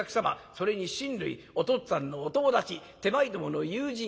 それに親類お父っつぁんのお友達手前どもの友人